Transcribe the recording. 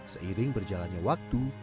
seiring berjalannya waktu